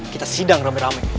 kita sidang rame rame